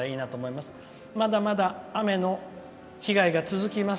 まだまだ雨の被害が続きます。